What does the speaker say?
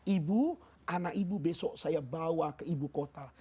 ibu anak ibu besok saya bawa ke ibu kota